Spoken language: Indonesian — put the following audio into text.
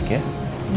baik baik ya